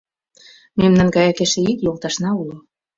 — Мемнан гаяк эше ик йолташна уло.